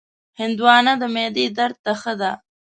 هندوانه د معدې درد ته ښه ده.